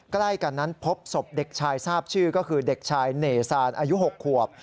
ใกล้กันนั้นพบศพเด็กชายทราบชื่อก็คือเด็กชายเนซานอายุ๖ขวบ